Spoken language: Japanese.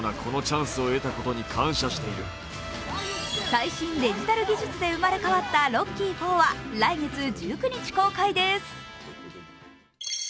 最新デジタル技術で生まれ変わった「ロッキー４」は来月１９日公開です。